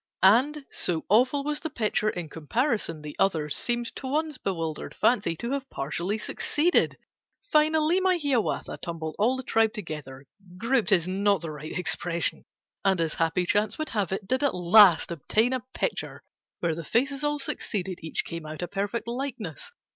And, so awful was the picture, In comparison the others Seemed, to one's bewildered fancy, To have partially succeeded. Finally my Hiawatha Tumbled all the tribe together, ('Grouped' is not the right expression), And, as happy chance would have it Did at last obtain a picture Where the faces all succeeded: Each came out a perfect likeness.